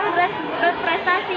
beres prestasi nasib